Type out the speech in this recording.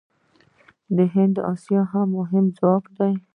هند د اسیا یو مهم ځواک دی.